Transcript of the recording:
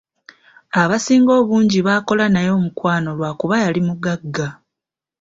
Abasinga obungi baakola naye omukwano lwa kuba yali mugagga.